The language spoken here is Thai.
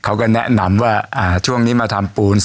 เขาก็แนะนำว่าช่วงนี้มาทำปูน